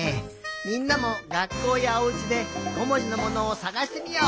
みんなもがっこうやおうちで５もじのものをさがしてみよう。